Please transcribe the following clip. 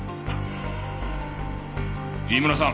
飯村さん！